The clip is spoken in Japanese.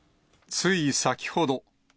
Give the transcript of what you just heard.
つい先ほど。